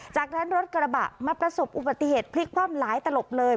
จากนั้นรถกระบะมาประสบอุบัติเหตุพลิกคว่ำหลายตลบเลย